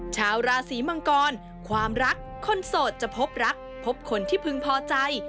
ชาวราศีมังกรความรักคนโสดจะพบรักพบคนที่พึงพอใจ